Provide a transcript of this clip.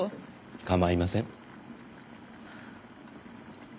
構いません。